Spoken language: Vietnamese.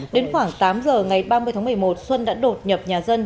đến khoảng tám giờ ngày ba mươi tháng một mươi một xuân đã đột nhập nhà dân